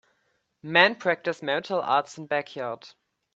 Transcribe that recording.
Men practice martial arts in backyard.